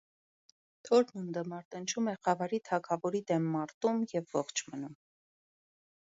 Թորմունդը մարտնչում է խավարի թագավորի դեմ մարդում և ողջ մնում։